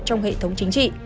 trong hệ thống chính trị